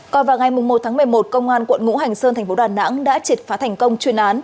còn vào ngày một một mươi một công an quận ngũ hành sơn tp đà nẵng đã triệt phá thành công chuyên án